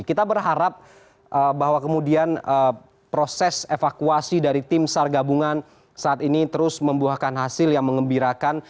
kita berharap bahwa kemudian proses evakuasi dari tim sar gabungan saat ini terus membuahkan hasil yang mengembirakan